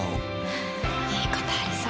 はぁいいことありそう。